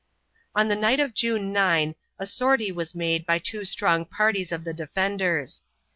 On the night of June 9 a sortie was made by two strong parties of the defenders.